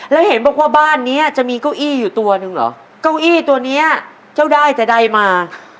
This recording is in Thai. แล้วเห็นบอกว่าบ้านเนี้ยจะมีเก้าอี้อยู่ตัวหนึ่งเหรอเก้าอี้ตัวเนี้ยเจ้าได้แต่ใดมา